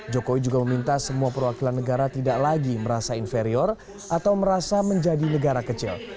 jokowi juga meminta semua perwakilan negara tidak lagi merasa inferior atau merasa menjadi negara kecil